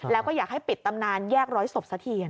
แล้วก็อยากให้ปิดตำนานแยกร้อยศพสักที